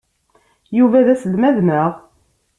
Yuba d aselmad, naɣ?